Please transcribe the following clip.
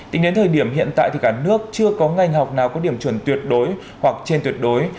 tính đến thời điểm hiện tại thì cả nước chưa có ngành học nào có điểm chuẩn tuyệt đối hoặc trên tuyệt đối